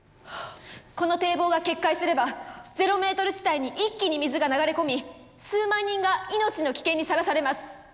この堤防が決壊すればゼロメートル地帯に一気に水が流れ込み数万人が命の危険にさらされます。